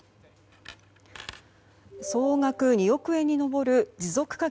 総額２億円に上る持続化